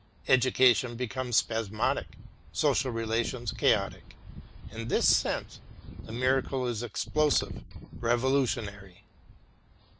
Education becomes spasmodic, social relations chaotic. In this sense, the miracle is explosive, revolutionary.